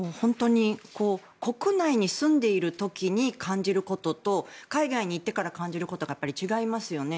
国内に住んでいる時に感じることと海外に行ってから感じることが違いますよね。